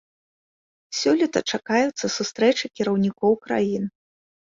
Сёлета чакаюцца сустрэчы кіраўнікоў краін.